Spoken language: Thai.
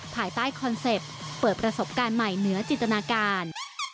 ภายใต้คอนเซ็ปต์เปิดประสบการณ์ใหม่เหนือจิตนาการ